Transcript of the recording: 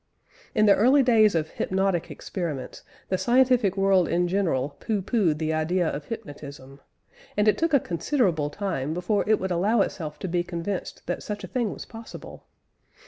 In the early days of hypnotic experiments the scientific world in general "pooh poohed" the idea of hypnotism; and it took a considerable time before it would allow itself to be convinced that such a thing was possible.